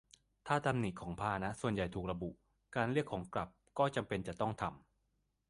ถ้าตำหนิของพาหนะส่วนใหญ่ถูกระบุ การเรียกของกลับก็จำเป็นจะต้องทำ